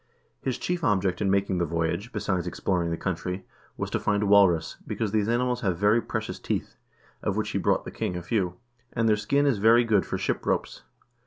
His chief object in making the voyage, besides exploring the country, was to find walrus, because these animals have very precious teeth (of which he brought the king a few), and their skin is very good for ship ropes.